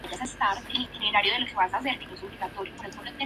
Es un sombrero de ala ancha con borlas, utilizado en heráldica eclesiástica.